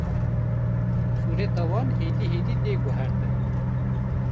sûreta wan hêdî hêdî tê guhertin